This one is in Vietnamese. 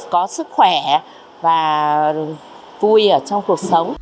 có sức khỏe và vui trong cuộc sống